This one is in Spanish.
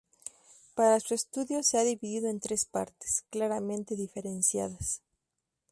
Para su estudio se ha dividido en tres partes, claramente diferenciadas.